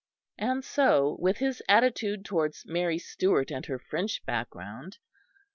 And so with his attitude towards Mary Stuart and her French background.